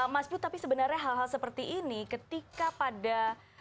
mas bu tapi sebenarnya hal hal seperti ini ketika pada